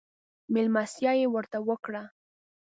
مېلمستيا يې ورته وکړه.